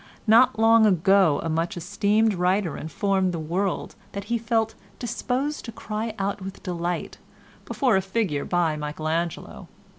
Not long ago a much esteemed writer informed the world that he felt "disposed to cry out with delight" before a figure by Michael Angelo.